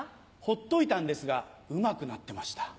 ほっといたんですがうまくなってました。